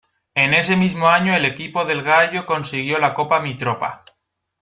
En ese mismo año el equipo del gallo consiguió la Copa Mitropa.